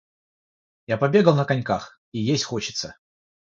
Я побегал на коньках, и есть хочется.